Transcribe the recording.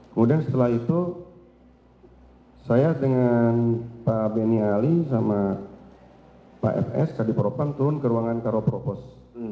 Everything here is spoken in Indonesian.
kemudian setelah itu saya dengan pak beni ali sama pak fs kadiparopam turun ke ruangan karo propos